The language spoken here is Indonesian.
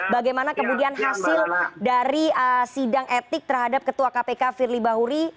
bagaimana kemudian hasil dari sidang etik terhadap ketua kpk firly bahuri